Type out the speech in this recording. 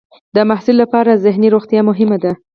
د محصل لپاره ذهني روغتیا مهمه ده.